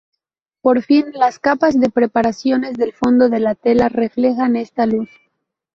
Por fin, las capas de preparaciones del fondo de la tela reflejan esta luz.